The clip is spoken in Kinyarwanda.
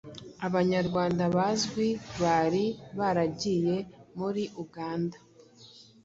Abanyarwanda bazwi bari baragiye muri Uganda